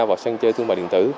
vào sân chơi thương mại điện tử